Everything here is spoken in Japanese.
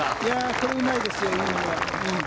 これ、うまいですよ。